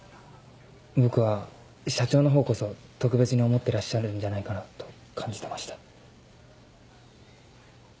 僕は社長のほうこそ特別に思ってらっしゃるんじゃないかなと感じてました。